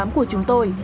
của chúng tôi